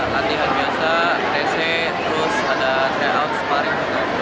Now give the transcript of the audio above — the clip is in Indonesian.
latihan biasa kese terus ada tryout sepaling